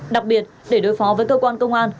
đặc biệt để đối phó với cơ quan công an